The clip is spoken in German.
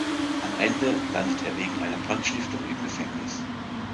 Am Ende landet er wegen einer Brandstiftung im Gefängnis.